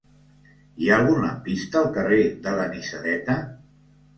Hi ha algun lampista al carrer de l'Anisadeta?